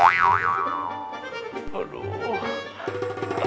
jangan jari j scoot ya